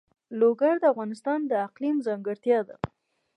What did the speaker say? لوگر د افغانستان د اقلیم ځانګړتیا ده.